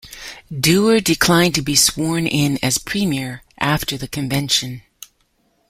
Doer declined to be sworn in as Premier after the convention.